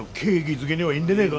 づけにはいいんでねえが？